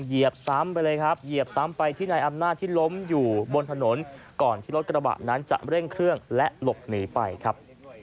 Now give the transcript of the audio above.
เหยียบซ้ำไปเลยครับเหยียบซ้ำไปที่นายอำนาจที่ล้มอยู่บนถนนก่อนที่รถกระบะนั้นจะเร่งเครื่องและหลบหนีไปครับ